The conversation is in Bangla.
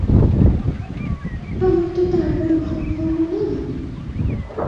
আমার তো তার পরে ঘুম হইল না।